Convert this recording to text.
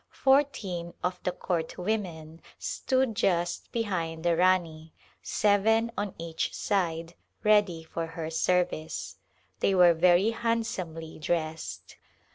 Fourteen of the court w^omen stood just behind the Rani, seven on each side, ready for her service. They were very handsomely dressed.